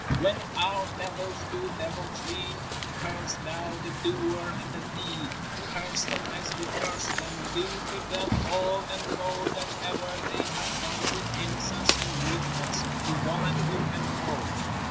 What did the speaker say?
When our devils do deviltry, curse Thou the doer and the deed: curse them as we curse them, do to them all and more than ever they have done to innocence and weakness, to womanhood and home.